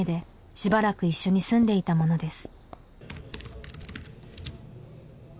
「しばらく一緒に住んでいた者です」